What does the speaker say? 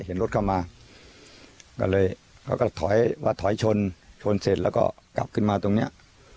เห็นรถเข้ามาก็เลยเขาก็ถอยว่าถอยชนชนเสร็จแล้วก็กลับขึ้นมาตรงเนี้ย